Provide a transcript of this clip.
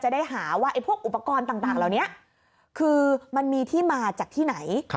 ได้หาว่าพวกอุปกรณ์ต่างเหล่านี้คือมันมีที่มาจากที่ไหน